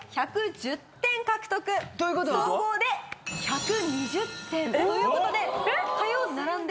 総合で１２０点ということで。